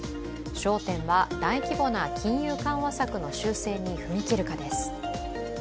焦点は、大規模な金融緩和策の修正に踏み切るかです。